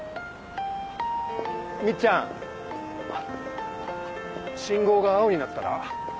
みっちゃん信号が青になったら？